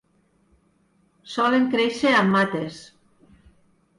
Solen créixer en mates.